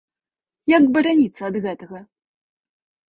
Як бараніцца ад гэтага?